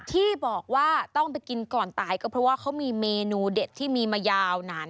ที่บอกว่าต้องไปกินก่อนตายก็เพราะว่าเขามีเมนูเด็ดที่มีมายาวนาน